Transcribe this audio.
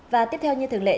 và tiếp theo như thường lệ